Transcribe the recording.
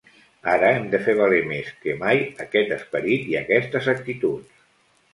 Ara hem de fer valer més que mai aquest esperit i aquestes actituds.